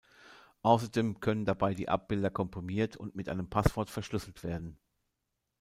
Außerdem können dabei die Abbilder komprimiert und mit einem Passwort verschlüsselt werden.